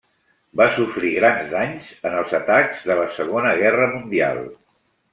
Va sofrir grans danys en els atacs de la Segona Guerra Mundial.